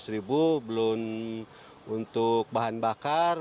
rp dua ratus belum untuk bahan bakar